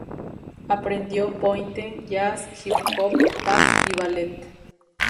Aprendió pointe, jazz, hip-hop, tap y ballet.